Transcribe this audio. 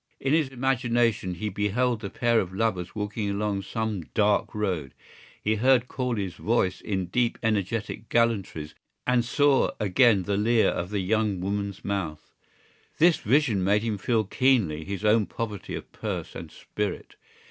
In his imagination he beheld the pair of lovers walking along some dark road; he heard Corley's voice in deep energetic gallantries and saw again the leer of the young woman's mouth. This vision made him feel keenly his own poverty of purse and spirit.